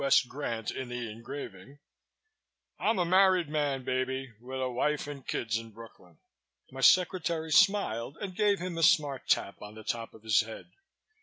S. Grant in the engraving, "I'm a married man, baby, with a wife and kids in Brooklyn." My secretary smiled and gave him a smart tap on the top of his head.